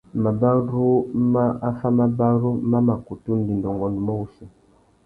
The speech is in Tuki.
Mabarú mà affámabarú má mà kutu ndénda ungôndômô wussi.